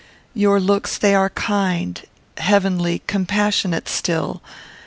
Your looks they are kind; heavenly; compassionate still.